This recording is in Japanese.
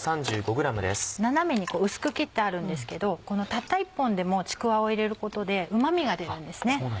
斜めに薄く切ってあるんですけどこのたった１本でもちくわを入れることでうま味が出るんですね。